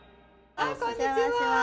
お邪魔します。